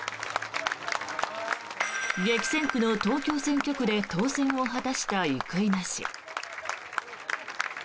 激戦区の東京選挙区で当選を果たした生稲氏。